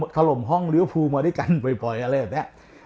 ถล่มห้องลิวภูมาด้วยกันบ่อยอะไรแบบนี้